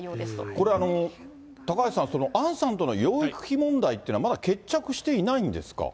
これ、高橋さん、杏さんとの養育費問題っていうのは、まだ決着していないんですか。